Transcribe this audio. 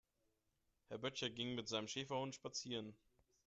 Herr Böttcher ging mit seinem Schäferhund spazieren.